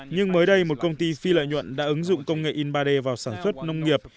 nhưng mới đây một công ty phi lợi nhuận đã ứng dụng công nghệ in ba d vào sản xuất nông nghiệp